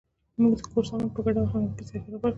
موږ د کور سامان په ګډه او همغږۍ سره برابر کړ.